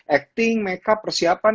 acting makeup persiapan